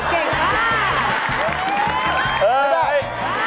เย็นมาก